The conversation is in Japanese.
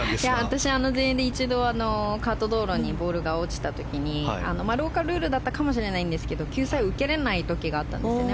私、全英で一度カート道路にボールが落ちた時にローカルルールだったかもしれないんですが救済を受けれない時があったんですね。